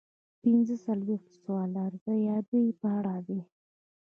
پنځه څلویښتم سوال د ارزیابۍ په اړه دی.